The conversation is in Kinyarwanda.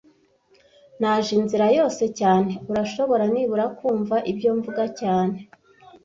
Naje inzira yose cyane Urashobora nibura kumva ibyo mvuga cyane